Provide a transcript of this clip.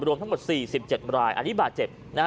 รวมทั้งหมด๔๗รายอันนี้บาดเจ็บ